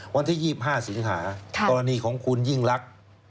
วันที่๒๕สิงหากรณีของคุณยิ่งลักษณ์